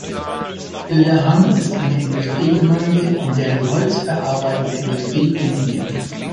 Söderhamn ist eine Industriegemeinde, in der die holzverarbeitende Industrie dominiert.